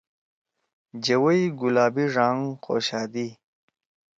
جَوئی گلابی ڙانگ خوشادی۔